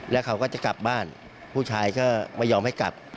แล้วเขาก็จะกลับบ้านผู้ชายก็ไม่ยอมให้กลับ